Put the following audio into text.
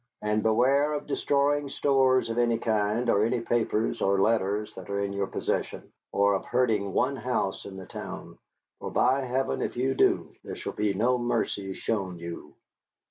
And beware of destroying stores of any kind, or any papers or letters that are in your possession; or of hurting one house in the town. For, by Heaven! if you do, there shall be no mercy shown you.